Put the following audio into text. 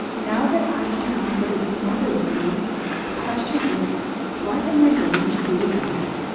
"Now that I've found out what is the trouble with me, the question is, what am I going to do about it?"